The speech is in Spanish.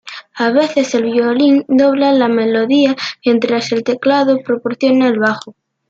A veces, el violín dobla la melodía mientras el teclado proporciona el bajo.